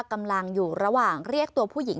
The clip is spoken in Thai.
กำลังอยู่ระหว่างเรียกตัวผู้หญิง